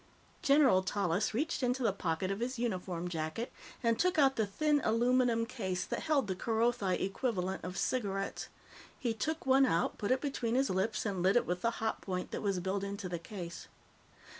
General Tallis reached into the pocket of his uniform jacket and took out the thin aluminum case that held the Kerothi equivalent of cigarettes. He took one out, put it between his lips, and lit it with the hotpoint that was built into the case.